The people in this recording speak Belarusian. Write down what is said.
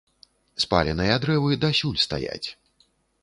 Спаленыя дрэвы дасюль стаяць.